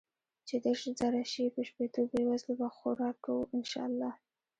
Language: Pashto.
چې ديرش زره شي په شپيتو بې وزلو به خوراک کو ان شاء الله.